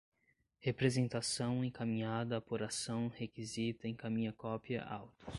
representação, encaminhada, apuração, requisita, encaminha cópia, autos